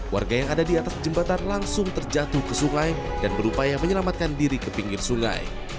warga yang ada di atas jembatan langsung terjatuh ke sungai dan berupaya menyelamatkan diri ke pinggir sungai